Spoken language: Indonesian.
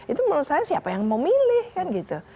itu menurut saya siapa yang mau milih kan gitu